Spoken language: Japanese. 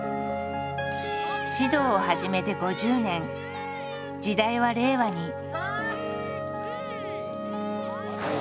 指導を始めて５０年時代は令和に。